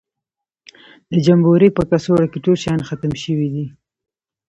د جمبوري په کڅوړه کې ټول شیان ختم شوي دي.